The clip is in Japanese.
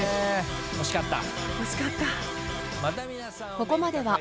・惜しかった。